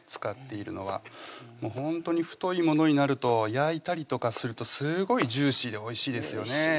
使っているのはほんとに太いものになると焼いたりとかするとすごいジューシーでおいしいですよね